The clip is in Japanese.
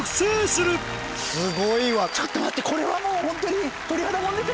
ちょっと待ってこれはもうホントに。